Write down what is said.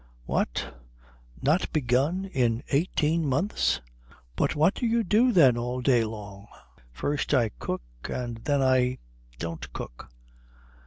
"What not begun in eighteen months? But what do you do then all day long?" "First I cook, and then I don't cook."